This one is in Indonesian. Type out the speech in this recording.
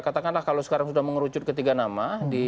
katakanlah kalau sekarang sudah mengerucut ketiga nama